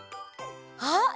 あっ